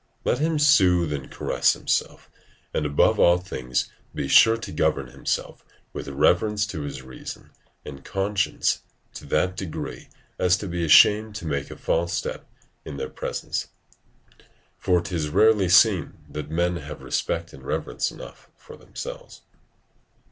Let him soothe and caress himself, and above all things be sure to govern himself with reverence to his reason and conscience to that degree as to be ashamed to make a false step in their presence: "Rarum est enim, ut satis se quisque vereatur." ["For 'tis rarely seen that men have respect and reverence enough for themselves."